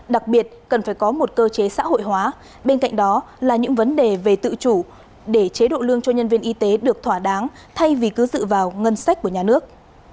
đặc biệt cần phải có một cơ chế xã hội hóa bên cạnh đó là những vấn đề về tự chủ để chế độ lương cho nhân viên y tế được thỏa đáng thay vì cứ dựa vào ngân sách của nhà nước